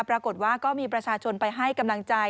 ปรากฏว่าก็มีประชาชนไปให้กำลังใจ